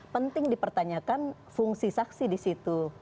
penting dipertanyakan fungsi saksi disitu